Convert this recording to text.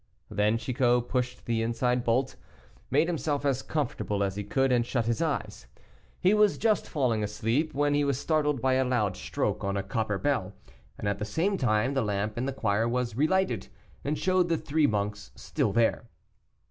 Then Chicot pushed the inside bolt, made himself as comfortable as he could, and shut his eyes. He was just falling asleep, when he was startled by a loud stroke on a copper bell, and at the same time the lamp in the choir was relighted, and showed the three monks still there.